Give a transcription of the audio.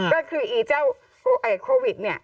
ก็คืออีเจ้าโควิดเนี่ย